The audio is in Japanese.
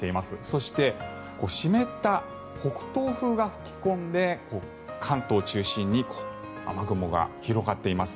そして湿った北東風が吹き込んで関東中心に雨雲が広がっています。